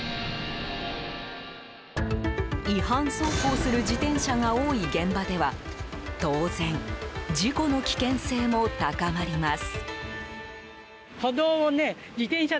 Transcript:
違反走行する自転車が多い現場では当然、事故の危険性も高まります。